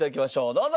どうぞ！